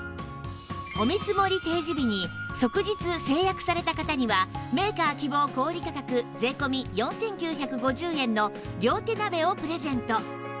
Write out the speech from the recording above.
お見積もり提示日に即日成約された方にはメーカー希望小売価格税込４９５０円の両手鍋をプレゼント